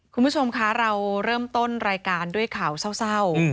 คุณผู้ชมคะเราเริ่มต้นรายการด้วยข่าวเศร้า